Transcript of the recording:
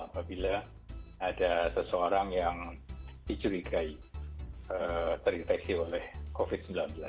apabila ada seseorang yang dicurigai terinfeksi oleh covid sembilan belas